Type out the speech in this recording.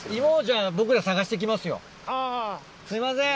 すいません